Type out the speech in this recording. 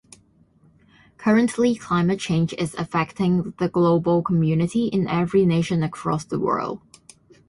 Currently climate change is affecting the global community in every nation across the world.